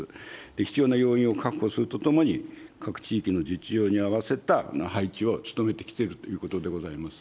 必要な要員を確保するとともに、各地域の実情に合わせた配置を努めてきているということでございます。